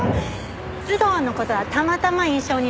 須藤の事はたまたま印象に残ってて。